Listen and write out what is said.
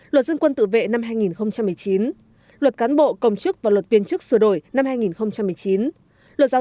luật dân quân tự vệ năm hai nghìn một mươi chín luật cán bộ công chức và luật viên chức sửa đổi năm hai nghìn một mươi chín luật giáo dục năm hai nghìn một mươi chín